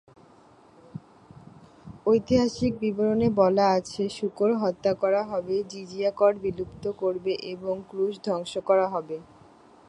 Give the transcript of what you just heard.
ঐতিহাসিক বিবরণে বলা আছে, শূকর হত্যা করা হবে, জিজিয়া কর বিলুপ্ত করবে এবং ক্রুশ ধ্বংস করা হবে।